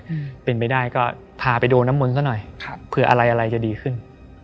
อืมเป็นไปได้ก็พาไปโดนน้ำมนต์ซะหน่อยครับเผื่ออะไรอะไรจะดีขึ้น